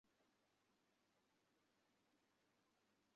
তিনি বরপেটা উচ্চবিদ্যালয়ে নামভর্তি করেন।